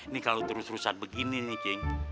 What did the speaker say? nih kalau terus rusak begini nih cing